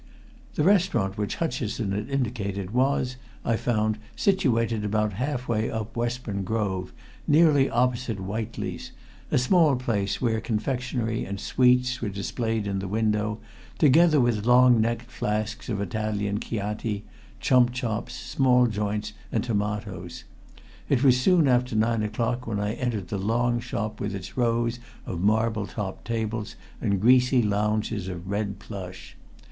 The restaurant which Hutcheson had indicated was, I found, situated about half way up Westbourne Grove, nearly opposite Whiteley's, a small place where confectionery and sweets were displayed in the window, together with long necked flasks of Italian chianti, chump chops, small joints and tomatoes. It was soon after nine o'clock when I entered the long shop with its rows of marble topped tables and greasy lounges of red plush.